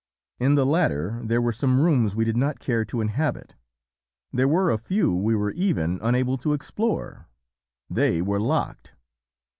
In the latter there were some rooms we did not care to inhabit; there were a few we were even unable to explore they were locked.